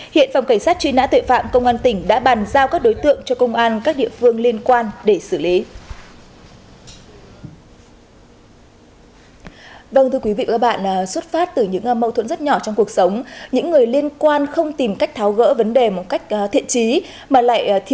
hiện phòng cảnh sát truy nã tuệ phạm công an tỉnh đã bàn giao các đối tượng cho công an các địa phương liên quan để xử lý